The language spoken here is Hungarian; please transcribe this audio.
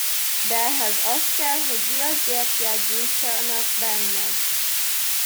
De ehhez az kell, hogy viaszgyertyát gyújtsanak benned.